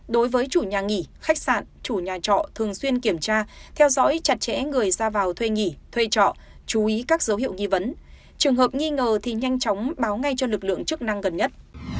đối với chủ nhà nghỉ khách sạn chủ nhà trọ thường xuyên kiểm tra theo dõi chặt chẽ người ra vào thuê nghỉ thuê trọ chú ý các dấu hiệu nghi vấn trường hợp nghi ngờ thì nhanh chóng báo ngay cho lực lượng chức năng gần nhất